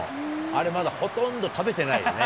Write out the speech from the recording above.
あれまだほとんど食べてないよね。